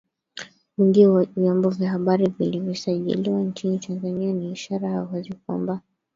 wingi wa vyombo vya habari vilivyosajiliwa nchini Tanzania ni ishara ya wazi kwamba